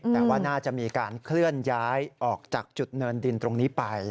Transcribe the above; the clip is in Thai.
แต่ว่าน่าจะมีการเคลื่อนย้ายออกจากจุดเนินดินตรงนี้ไป